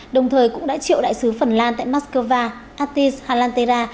đồng thời cũng đã triệu đại sứ phần lan tại moscow atis halantera